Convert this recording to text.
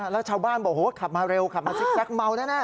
แล้วชาวบ้านบอกโหขับมาเร็วขับมาซิกแก๊กเมาแน่